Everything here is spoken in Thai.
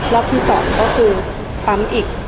รอบที่๒ก็คือปั๊มอีก